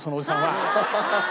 ハハハハ！